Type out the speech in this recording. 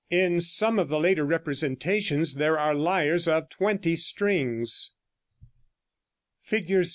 In some of the later representations there are lyres of twenty strings. [Illustration: Fig.